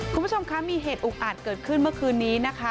คุณผู้ชมคะมีเหตุอุกอาจเกิดขึ้นเมื่อคืนนี้นะคะ